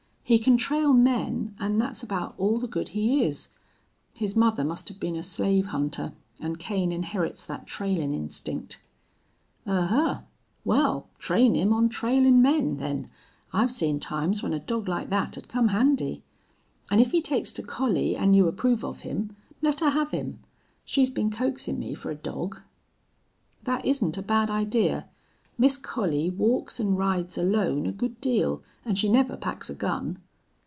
He can trail men, an' that's about all the good he is. His mother must have been a slave hunter, an' Kane inherits that trailin' instinct." "Ahuh! Wal, train him on trailin' men, then. I've seen times when a dog like thet'd come handy. An' if he takes to Collie an' you approve of him, let her have him. She's been coaxin' me fer a dog." "That isn't a bad idea. Miss Collie walks an' rides alone a good deal, an' she never packs a gun."